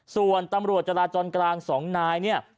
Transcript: ส่วนตำรวจจราจรกลางสองนาย